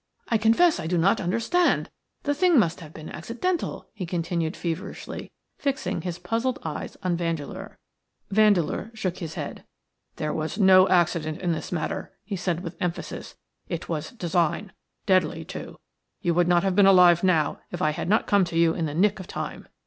I confess I do not understand. The thing must have been accidental," he continued, feverishly, fixing his puzzled eyes on Vandeleur. Vandeleur shook his head. "WHO WOULD WANT TO TAKE MY LIFE?" "There was no accident in this matter," he said, with emphasis. "It was design. Deadly, too. You would not have been alive now if I had not come to you in the nick of time.